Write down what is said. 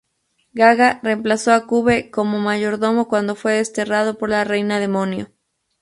Gaga reemplazó a Cube como mayordomo cuando fue desterrado por la Reina Demonio.